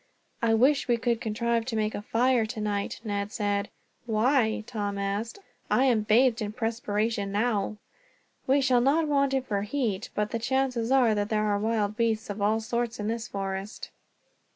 "I wish we could contrive to make a fire tonight," Ned said. "Why?" Tom asked. "I am bathed in perspiration, now." "We shall not want it for heat, but the chances are that there are wild beasts of all sorts in this forest."